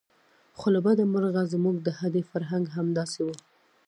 خو له بده مرغه زموږ د هډې فرهنګ همداسې و.